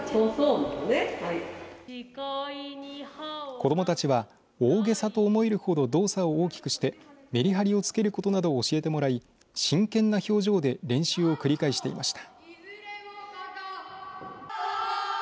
子どもたちは大げさと思えるほど動作を大きくしてめりはりをつけることなどを教えてもらい真剣な表情で練習を繰り返していました。